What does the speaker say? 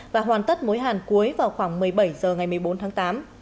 và hoàn tất mối hàn cuối vào khoảng một mươi bảy h ngày một mươi bốn tháng tám